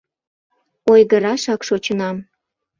Ойгырашак шочынам